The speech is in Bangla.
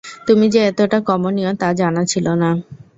তুমি যে এতটা কমনীয়, তা জানা ছিল না।